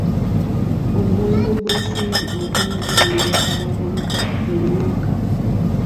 Omuwendo gw'ensimbi ogumu guweebwa abavubuka buli mwaka.